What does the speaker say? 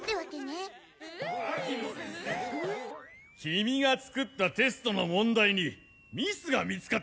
キミが作ったテストの問題にミスが見つかった。